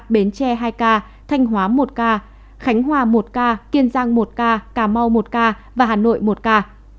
bến tre hai ca thanh hóa một ca khánh hòa một ca kiên giang một ca cà mau một ca và hà nội một ca